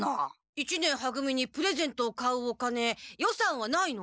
一年は組にプレゼントを買うお金予算はないの？